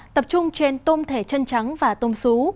tập trung trên tôm thẻ chân trắng và tôm xú